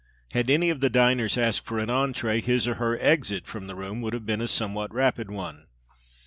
_ Had any of the diners asked for an entrée, his or her exit from the room would have been a somewhat rapid one.